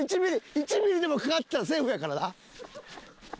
１ミリでもかかってたらセーフやからな。